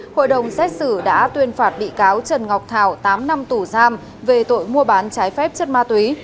hội đồng xét xử đã tuyên phạt bị cáo trần ngọc thảo tám năm tù giam về tội mua bán trái phép chất ma túy